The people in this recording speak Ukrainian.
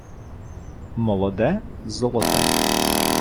Молоде — золоте.